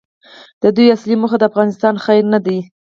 د دوی اصلي موخه د افغانستان خیر نه دی.